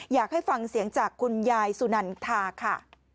อยากให้ฟังเสียงจากคุณยายสุนันทาค่ะ